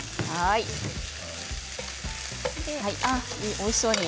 おいしそうに。